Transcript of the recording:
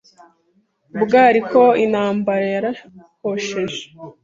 Ubwo ariko intambara yarahosheje